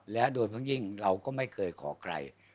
และโดยเพราะยิ่งเราก็ไม่เคยขอใคร